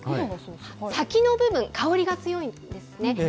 先の部分、香りが強いんですね。